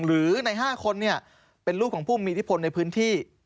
หรือใน๕คนเนี่ยเป็นรูปของผู้มีที่พลในพื้นที่